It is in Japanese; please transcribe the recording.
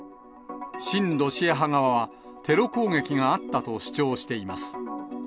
親ロシア派側は、テロ攻撃があったと主張しています。